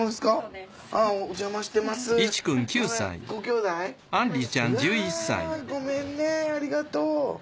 うわぁごめんねありがとう。